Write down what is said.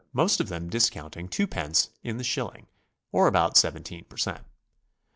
most of them discounting two pence in the shilling, or about 17 per cent.